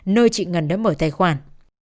nơi chị ngân đã mở tài khoản